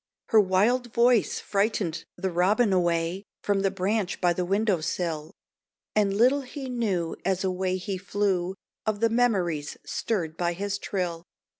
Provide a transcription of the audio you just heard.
Her wild voice frightened the robin away From the branch by the window sill; And little he knew as away he flew, Of the memories stirred by his trill.